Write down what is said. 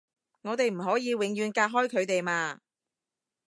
我哋唔可以永遠隔開佢哋嘛